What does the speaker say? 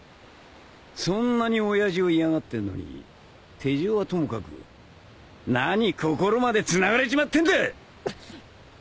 そんなに親父を嫌がってるのに手錠はともかく何心までつながれちまってんだ！